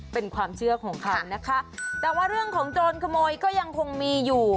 เป็นความเชื่อของเขานะคะแต่ว่าเรื่องของโจรขโมยก็ยังคงมีอยู่